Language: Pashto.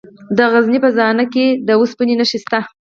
د غزني په زنه خان کې د اوسپنې نښې شته.